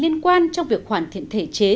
liên quan trong việc hoàn thiện thể chế